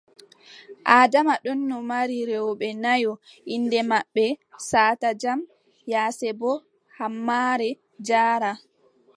Adama ɗonno mari rewɓe nayo inɗe maɓɓe: Sata Jam, Yasebo, Hammare, Jaara.